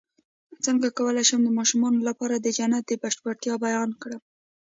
څنګه کولی شم د ماشومانو لپاره د جنت د بشپړتیا بیان کړم